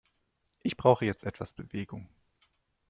Ich brauche jetzt etwas Bewegung.